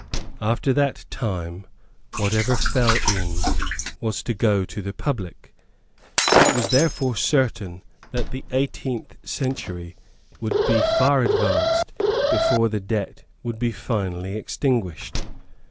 After that time, whatever fell in was to go to the public. It was therefore certain that the eighteenth century would be far advanced before the debt would be finally extinguished.